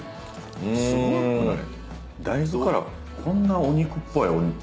すごくない？